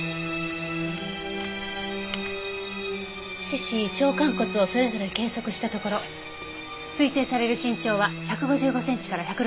四肢長管骨をそれぞれ計測したところ推定される身長は１５５センチから１６０センチ。